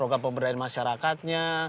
buka pemberdayaan masyarakatnya